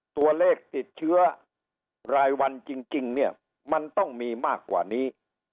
ตัวเลขติดเชื้อรายวันจริงเนี่ยมันต้องมีมากกว่านี้